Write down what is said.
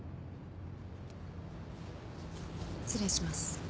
失礼します。